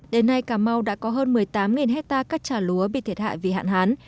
đến nay cà mau đã có hơn một mươi tám hectare cắt trà lúa bị thiệt hại vì hạn hán